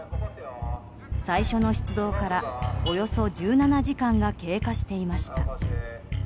最初の出動からおよそ１７時間が経過していました。